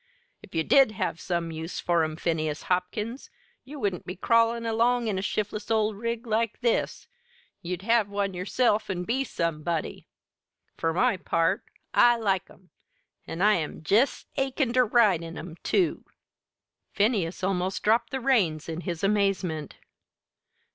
"If you did have some use for 'em, Phineas Hopkins, you wouldn't be crawlin' along in a shiftless old rig like this; you'd have one yourself an' be somebody! For my part, I like 'em, an' I'm jest achin' ter ride in 'em, too!" Phineas almost dropped the reins in his amazement.